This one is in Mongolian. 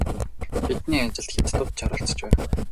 Бидний ажилд хятадууд ч оролцож байв.